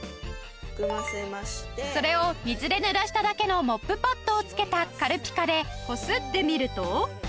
それを水でぬらしただけのモップパッドを付けた軽ピカでこすってみると。